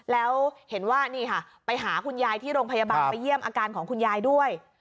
แล้วเห็นว่านี่ค่ะไปหาคุณยายที่โรงพยาบาลไปเยี่ยมอาการของคุณยายด้วย